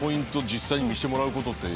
実際に見せてもらうことって。